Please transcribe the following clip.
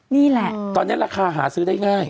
นี่แหละตอนนี้ราคาหาซื้อได้ง่าย